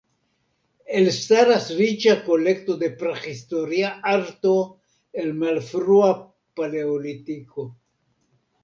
Elstaras riĉa kolekto de prahistoria arto el Malfrua Paleolitiko.